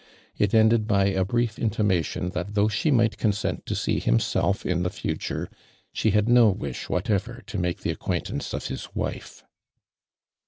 It ended by a brief intima tion that though she might consent to see himself in the future, she had no wish whatever to make the acquaintance of his wife.